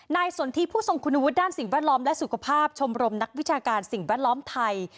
สนทิผู้ทรงคุณวุฒิด้านสิ่งแวดล้อมและสุขภาพชมรมนักวิชาการสิ่งแวดล้อมไทย